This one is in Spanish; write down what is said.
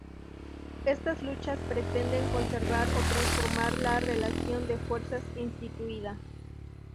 Estas luchas pretenden conservar o transformar la relación de fuerzas instituida.